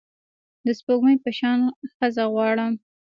د سپوږمۍ په شان ښځه غواړم